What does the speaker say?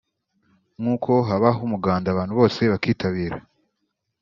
nk’uko habaho umuganda abantu bose bakitabira